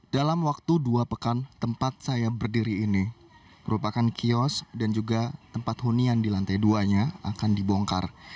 dalam waktu dua pekan tempat saya berdiri ini merupakan kios dan juga tempat hunian di lantai dua nya akan dibongkar